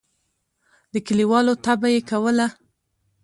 د کلیوالو طبعه یې کوله.